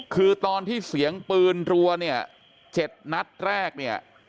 คือตอนที่เสียงปืนรัวเนี่ย๗นัดแรกเนี่ย